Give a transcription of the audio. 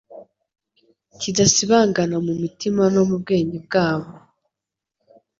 kidasibangana mu mitima no mu bwenge bwabo.